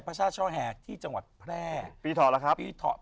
พระศาสตร์ช่อแหงที่จังหวัดแพร่ปีเถาะแล้วครับปีเถาะ